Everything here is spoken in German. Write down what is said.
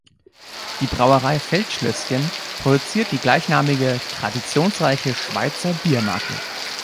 Die Brauerei Feldschlösschen produziert die gleichnamige traditionsreiche Schweizer Biermarke.